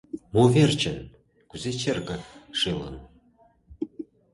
— Мо верчын, кузе черке шелын?